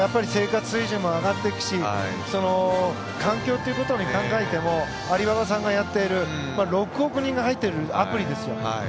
生活水準も上がっていくし環境ということを考えてもアリババさんがやっている６億人が入っているアプリですよ。